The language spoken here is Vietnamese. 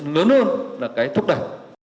lớn hơn là cái thúc đẩy